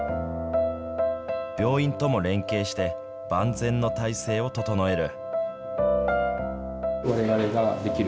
病院とも連携して、万全の体制を整える。